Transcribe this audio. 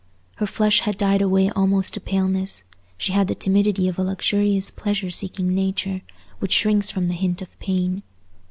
Her flush had died away almost to paleness; she had the timidity of a luxurious pleasure seeking nature, which shrinks from the hint of pain.